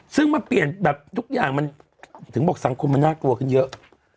ซึ่งมันเปลี่ยนแบบทุกอย่างมันถึงบอกสังคมมันน่ากลัวขึ้นเยอะ